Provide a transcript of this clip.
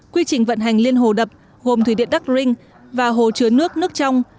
quy trình vận hành liên hồ đập gồm thủy điện đắc rinh và hồ chứa nước nước trong